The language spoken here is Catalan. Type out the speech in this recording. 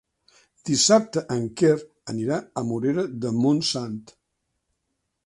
Dissabte en Quer anirà a la Morera de Montsant.